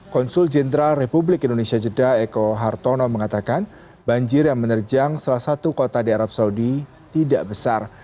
konsul jenderal republik indonesia jeda eko hartono mengatakan banjir yang menerjang salah satu kota di arab saudi tidak besar